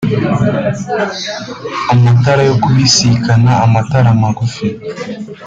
Amatara yo kubisikanaAmatara magufi